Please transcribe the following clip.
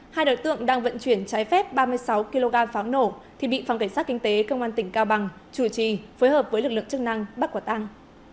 hai đối tượng đang vận chuyển trái phép ba mươi sáu kg pháo nổ thì bị phòng cảnh sát kinh tế công an tỉnh cao bằng chủ trì phối hợp với lực lượng chức năng bắt quả tăng